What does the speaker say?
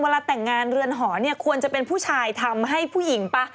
เวลาแต่งงานเรือนหอเนี่ยควรจะเป็นผู้ชายทำให้ผู้หญิงป่ะ